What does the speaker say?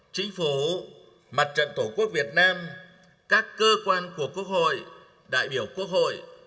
chính phủ mặt trận tổ quốc việt nam các cơ quan của quốc hội đại biểu quốc hội